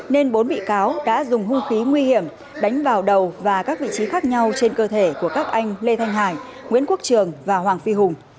nên bốn bị cáo đã dùng hung khí nguy hiểm đánh vào đầu và các vị trí khác nhau trên cơ thể của các anh lê thanh hải nguyễn quốc trường và hoàng phi hùng